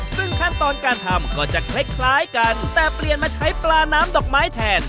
ซึ่งขั้นตอนการทำก็จะคล้ายกันแต่เปลี่ยนมาใช้ปลาน้ำดอกไม้แทน